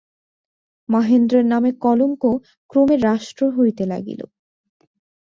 মহেন্দ্রের নামে কলঙ্ক ক্রমে রাষ্ট্র হইতে লাগিল।